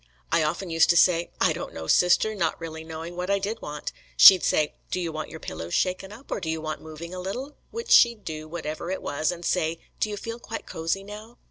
I often used to say, 'I don't know, Sister,' not really knowing what I did want. She'd say, 'Do you want your pillows shaken up, or do you want moving a little?' which she'd do, whatever it was, and say, 'Do you feel quite cosey now?'